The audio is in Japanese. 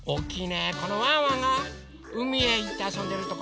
このワンワンがうみへいってあそんでるところ。